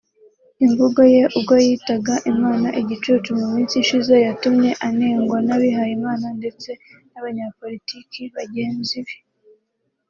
Imvugo ye ubwo yitaga Imana igicucu mu minsi ishize yatumye anengwa n’abihayimana ndetse n’abanyapolitiki bagenzi be